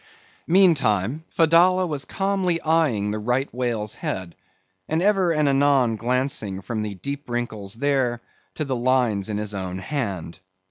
Meantime, Fedallah was calmly eyeing the right whale's head, and ever and anon glancing from the deep wrinkles there to the lines in his own hand.